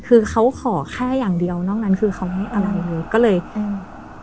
คือเขาขอแค่อย่างเดียวนอกนั้นคือเขาไม่อะไรเลยก็เลยอืม